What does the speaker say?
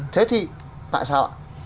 thế thì tại sao ạ